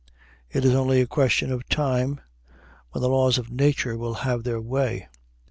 It is only a question of time when the laws of nature will have their way.